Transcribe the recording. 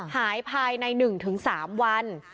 หายภายใน๑๓วัน